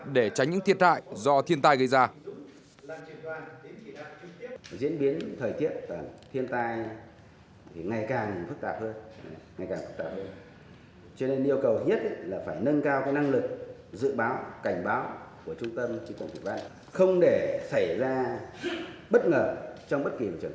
để tránh những thiệt hại do thiên tai gây ra